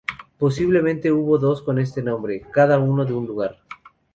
Posiblemente hubo dos con este nombre, cada uno de un lugar.